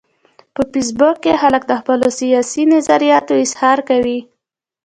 په فېسبوک کې خلک د خپلو سیاسي نظریاتو اظهار کوي